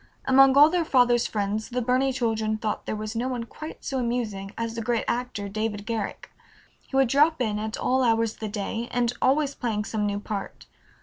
Among all their father's friends the Burney children thought there was no one quite so amusing as the great actor David Garrick. He would drop in at all hours of the day, and always playing some new part.